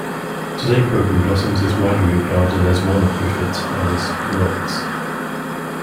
Today, "Broken Blossoms" is widely regarded as one of Griffith's finest works.